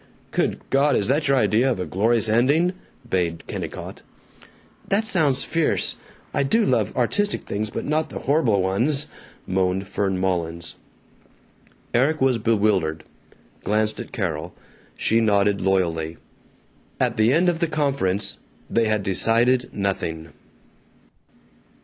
"Good God, is that your idea of a glorious ending?" bayed Kennicott. "That sounds fierce! I do love artistic things, but not the horrible ones," moaned Fern Mullins. Erik was bewildered; glanced at Carol. She nodded loyally. At the end of the conference they had decided nothing.